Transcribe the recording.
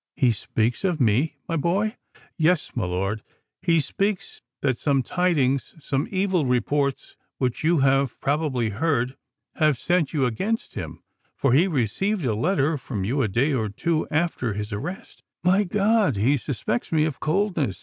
"He speaks of me, my boy——" "Yes: my lord—he fears that some tidings—some evil reports which you have probably heard, have set you against him—for he received a letter from you a day or two after his arrest——" "My God! he suspects me of coldness!"